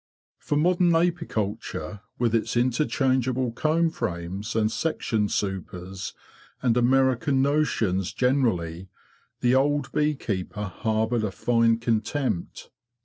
For modern apiculture, with its interchangeable comb frames and section supers, and American notions generally, the old bee keeper harboured a fine contempt.